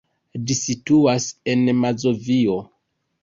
Ĝi situas en Mazovio.